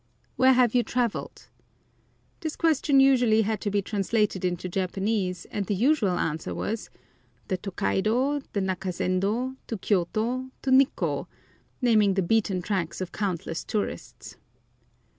Where have you travelled? This question usually had to be translated into Japanese, and the usual answer was, "The Tokaido, the Nakasendo, to Kiyôto, to Nikkô," naming the beaten tracks of countless tourists.